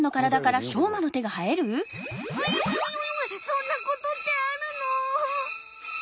そんなことってあるの！？